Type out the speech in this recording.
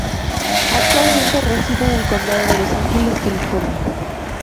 Actualmente reside en el condado de Los Ángeles, California.